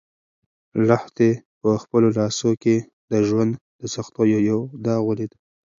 لښتې په خپلو لاسو کې د ژوند د سختیو یو داغ ولید.